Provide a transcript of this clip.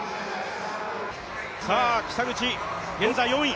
北口、現在４位。